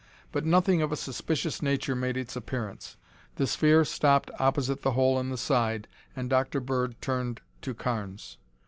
But nothing of a suspicious nature made its appearance. The sphere stopped opposite the hole in the side and Dr. Bird turned to Carnes.